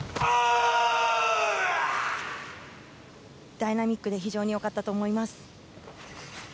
ダイナミックで非常に良かったと思います。